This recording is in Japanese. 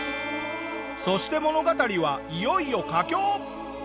そして物語はいよいよ佳境。